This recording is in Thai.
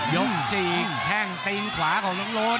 ่ง๔แข้งตีนขวาของน้องโรด